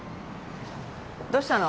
どうしたの？